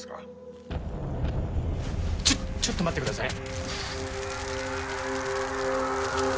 ちょっちょっと待ってください。